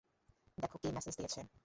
দেখ কে ম্যাসেজ দিচ্ছে।